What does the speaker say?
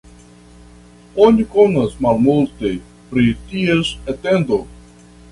Oni konas malmulte pri ties etendo.